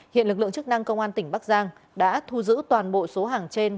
hiện lực lượng chức năng công an tỉnh bắc giang đã thu giữ toàn bộ số hàng trên